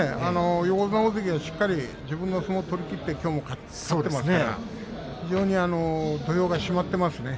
横綱大関がしっかりと自分の相撲を取りきってきょうも勝っていますから土俵が締まっていますね。